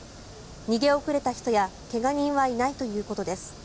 逃げ遅れた人や怪我人はいないということです。